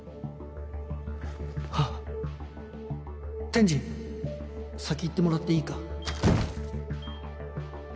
天智先行ってもらっていいか？